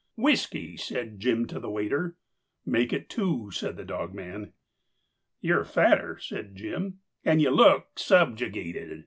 "Whiskey," said Jim to the waiter. "Make it two," said the dogman. "You're fatter," said Jim, "and you look subjugated.